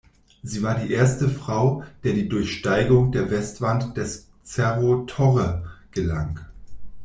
Sie war die erste Frau, der die Durchsteigung der Westwand des Cerro Torre gelang.